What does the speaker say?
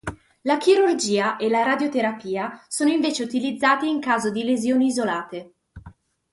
La chirurgia e la radioterapia sono invece utilizzate in caso di lesioni isolate.